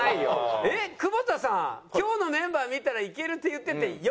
えっ久保田さん「今日のメンバー見たらいける」って言ってて４？